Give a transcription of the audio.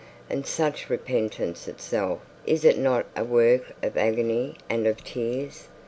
And such repentance itself, is it not a work of agony and of tears?